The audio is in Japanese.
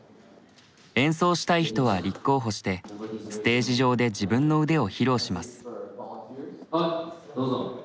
演奏したい人は立候補してステージ上で自分の腕を披露します。